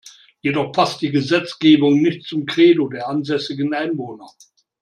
Jedoch passt die Gesetzgebung nicht zum Credo der ansässigen Einwohner.